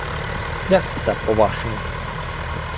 — Як се по-вашому?